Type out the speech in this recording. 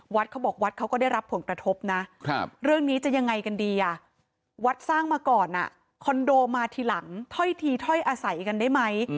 วัดเขาบอกวัดเขาก็ได้รับผลกระทบนะเรื่องนี้จะยังไงกันดีอ่ะวัดสร้างมาก่อนคอนโดมาทีหลังถ้อยทีถ้อยอาศัยกันได้ไหม